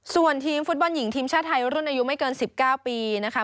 ส่วนทีมฟุตบอลหญิงทีมชาติไทยรุ่นอายุไม่เกิน๑๙ปีนะคะ